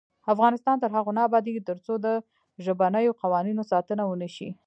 افغانستان تر هغو نه ابادیږي، ترڅو د ژبنیو قوانینو ساتنه ونشي.